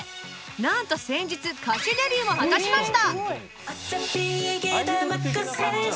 なんと先日歌手デビューも果たしました